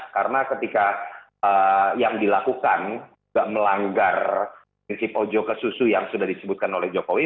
karena ketika yang dilakukan gak melanggar prinsip ojo ke susu yang sudah disebutkan oleh jokowi